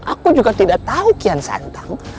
aku juga tidak tahu kian santam